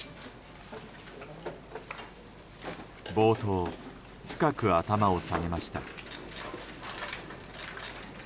冒頭、深く頭を下げました。